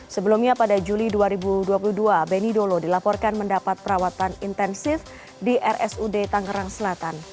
sebelumnya pada juli dua ribu dua puluh dua beni dolo dilaporkan mendapat perawatan intensif di rsud tangerang selatan